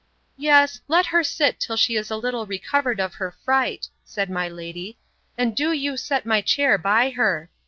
Yes, let her sit till she is a little recovered of her fright, said my lady, and do you set my chair by her.